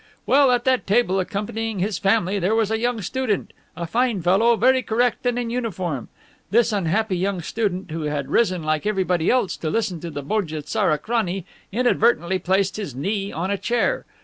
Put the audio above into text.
Well, at that table, accompanying his family, there was a young student, a fine fellow, very correct, and in uniform. This unhappy young student, who had risen like everybody else, to listen to the Bodje tsara krani, inadvertently placed his knee on a chair.